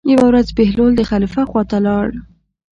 یوه ورځ بهلول د خلیفه خواته لاړ.